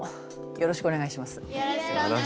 よろしくお願いします。